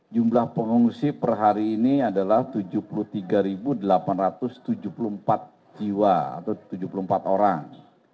jumlah pengungsi per hari ini adalah tujuh puluh tiga delapan ratus tujuh puluh empat jiwa atau tujuh puluh empat orang